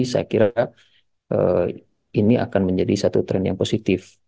saya kira ini akan menjadi satu tren yang positif